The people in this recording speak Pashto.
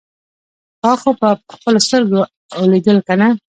تا خو په خپلو سترګو اوليدل کنه.